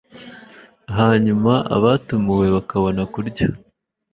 hanyuma abatumiwe bakabona kurya